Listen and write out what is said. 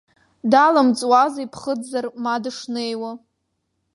Далымҵуази ԥхыӡзар ма дышнеиуа.